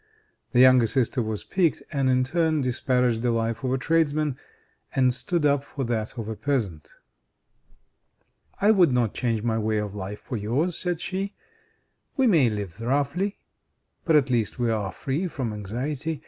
The younger sister was piqued, and in turn disparaged the life of a tradesman, and stood up for that of a peasant. "I would not change my way of life for yours," said she. "We may live roughly, but at least we are free from anxiety.